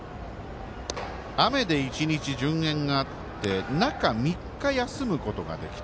雨で１日順延があって中３日、休むことができた。